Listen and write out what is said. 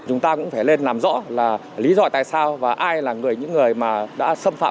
chúng ta cũng phải lên làm rõ là lý do tại sao và ai là những người mà đã xâm phạm